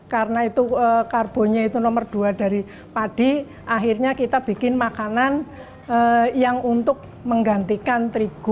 karena itu karbonnya itu nomor dua dari padi akhirnya kita bikin makanan yang untuk menggantikan terigu